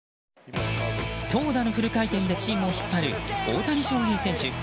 投打のフル回転でチームを引っ張る大谷翔平選手。